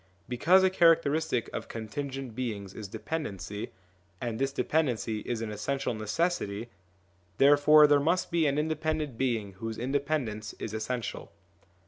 Because a characteristic of contingent beings is dependency, and this dependency is an essential necessity, therefore there must be an independent being whose independence is essential.